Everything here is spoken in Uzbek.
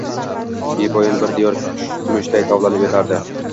— bepoyon bir diyor kumushday tovlanib yotardi.